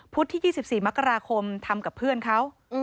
ที่๒๔มกราคมทำกับเพื่อนเขา